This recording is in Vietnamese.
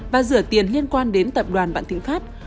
và rửa tiền liên quan đến tập đoàn vạn thịnh pháp